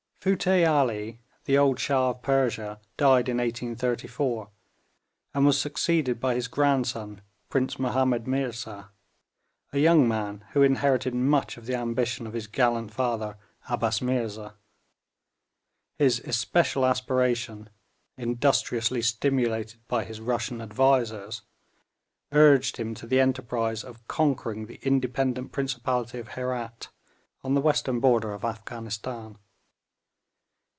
Futteh Ali, the old Shah of Persia, died in 1834, and was succeeded by his grandson Prince Mahomed Meerza, a young man who inherited much of the ambition of his gallant father Abbas Meerza. His especial aspiration, industriously stimulated by his Russian advisers, urged him to the enterprise of conquering the independent principality of Herat, on the western border of Afghanistan.